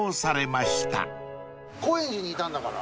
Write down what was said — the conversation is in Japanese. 高円寺にいたんだから。